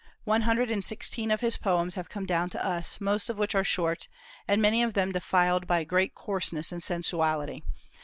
One hundred and sixteen of his poems have come down to us, most of which are short, and many of them defiled by great coarseness and sensuality.